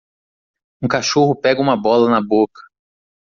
Um cachorro pega uma bola na boca.